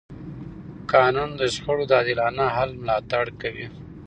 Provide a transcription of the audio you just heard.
قانون د شخړو د عادلانه حل ملاتړ کوي.